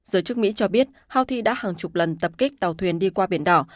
giới chức mỹ cho biết houthi đã hàng chục lần tập kích tàu thuyền đi qua biển đỏ